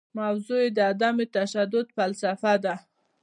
موضوع یې د عدم تشدد فلسفه ده.